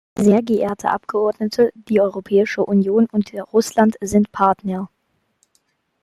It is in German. Sehr geehrter Abgeordnete, die Europäische Union und Russland sind Partner.